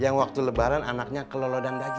yang waktu lebaran anaknya kelolo dan dagi